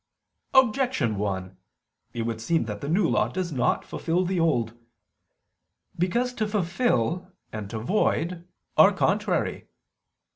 Objection 1: It would seem that the New Law does not fulfil the Old. Because to fulfil and to void are contrary.